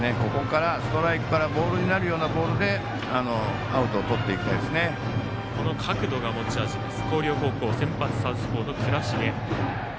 ここからストライクからボールになるようなボールでアウトをとっていきたいですね。